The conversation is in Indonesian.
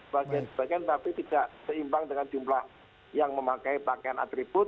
bagian sebagian tapi tidak seimbang dengan jumlah yang memakai pakaian atribut